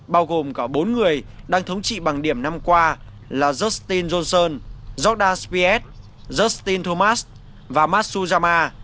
bao gồm cả bốn người đang thống trị bằng điểm năm qua là justin johnson jordan spieth justin thomas và matsuyama